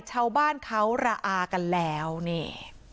ชาวบ้านเขาระอากันแล้วนี่